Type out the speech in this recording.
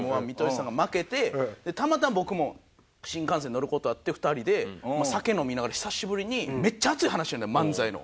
たまたま僕も新幹線乗る事あって２人で酒飲みながら久しぶりにめっちゃ熱い話してるのよ漫才の。